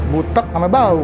butak sama bau